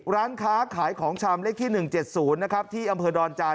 ร้านค้าขายของชำเลขที่๑๗๐นะครับที่อำเภอดอนจาน